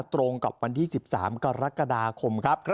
ตรงกับวันที่๑๓กรกฎาคมครับ